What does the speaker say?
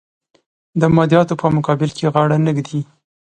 د مادیاتو په مقابل کې غاړه نه ږدي.